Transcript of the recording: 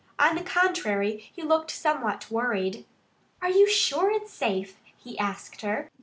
On the contrary, he looked somewhat worried. "Are you sure it's safe?" he asked her.